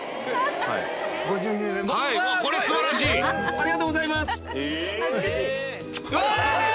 ありがとうございます！